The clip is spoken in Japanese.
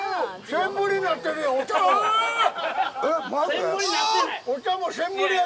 センブリになってるよ、お茶も。